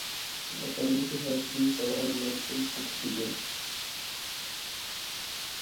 The community has had several names since its beginning.